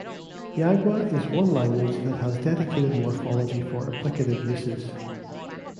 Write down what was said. Yagua is one language that has dedicated morphology for applicative uses.